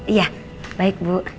iya baik bu